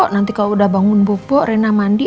nanti kalau udah bangun bobo reina mandi